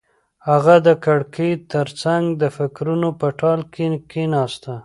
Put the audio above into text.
هغه د کړکۍ تر څنګ د فکرونو په ټال کې کېناسته.